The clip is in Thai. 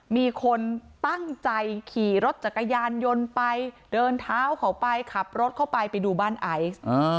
มีคนตั้งใจขี่รถจักรยานยนต์ไปเดินเท้าเขาไปขับรถเข้าไปไปดูบ้านไอซ์